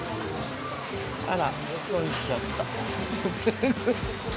あら、損しちゃった。